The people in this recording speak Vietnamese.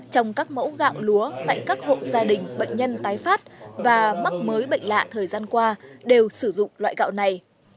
trong các mẫu gạo lúa tại các hộ gia đình bệnh nhân tái phát và mắc mới bệnh lạ thời gian qua đều sử dụng loại gạo này